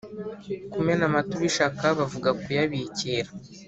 Kumena Amata ubishaka bavuga Kuyabikira